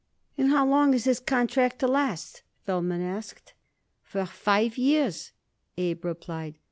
"And how long is this contract to last?" Feldman asked. "For five years," Abe replied.